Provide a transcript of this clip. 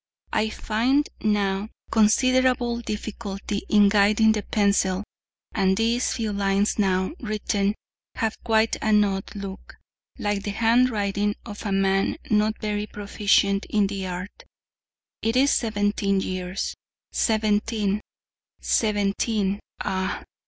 I find now considerable difficulty in guiding the pencil, and these few lines now written have quite an odd look, like the handwriting of a man not very proficient in the art: it is seventeen years, seventeen, seventeen ... ah!